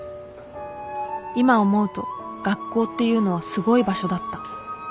今思うと学校っていうのはすごい場所だった